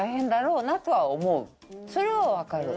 それはわかる。